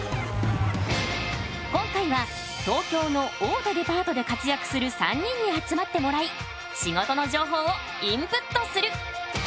今回は東京の大手デパートで活躍する３人に集まってもらい仕事の情報をインプットする！